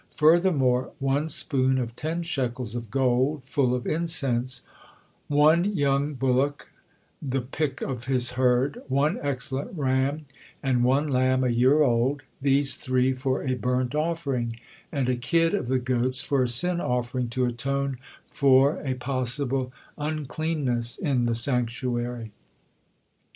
Furthermore, one spoon of ten shekels of gold, full of incense; on young bullock, the picked of his herd; one excellent ram, and one lamb a year old, these three for a burnt offering; and a kid of the goats for a sin offering, to atone for a possible uncleanness in the sanctuary.